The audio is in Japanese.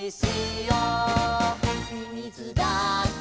「みみずだって」